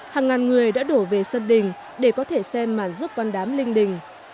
hàng ngàn người đã đổ về sân đỉnh để có thể xem màn rước quan đám linh đỉnh